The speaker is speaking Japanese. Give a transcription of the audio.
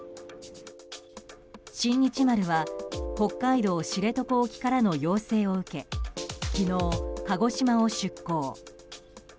「新日丸」は北海道知床沖からの要請を受け昨日、鹿児島を出航。